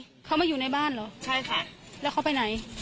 เขามาอยู่ในบ้านเหรอใช่ค่ะแล้วเขาไปไหน